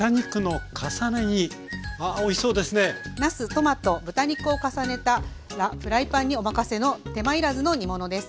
トマト豚肉を重ねたらフライパンにおまかせの手間いらずの煮物です。